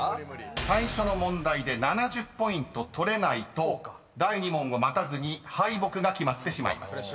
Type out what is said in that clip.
［最初の問題で７０ポイント取れないと第２問を待たずに敗北が決まってしまいます］